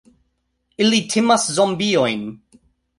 Ili timas zombiojn!